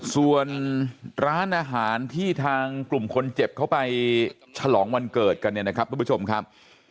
ส่วนร้านอาหารที่ทางกลุ่มคนเจ็บเขาไปฉลองวันเกิดกันเนี่ยนะครับทุกผู้ชมครับ